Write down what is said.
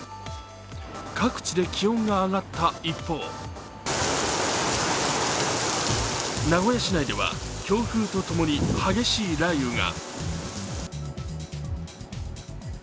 各地で気温が上がった一方名古屋市内では強風とともに激しい雷雨が。